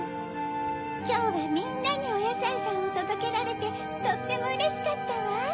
きょうはみんなにおやさいさんをとどけられてとってもうれしかったわ！